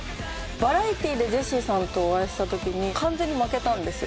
バラエティーでジェシーさんとお会いした時に完全に負けたんですよ。